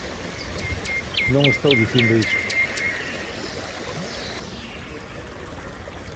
¡Non estou dicindo iso!